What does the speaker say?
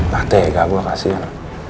pate gagual kasian